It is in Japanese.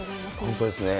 本当ですね。